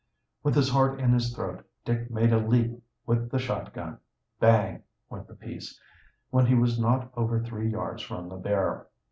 With his heart in his throat, Dick made a leap with the shotgun. Bang! went the piece, when he was not over three yards from the bear.